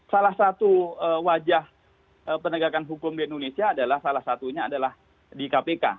salah satu wajah penegakan hukum di indonesia adalah salah satunya adalah di kpk